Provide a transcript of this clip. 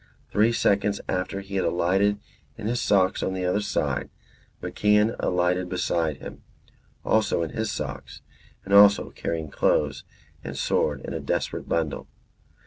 Three seconds after he had alighted in his socks on the other side, MacIan alighted beside him, also in his socks and also carrying clothes and sword in a desperate bundle.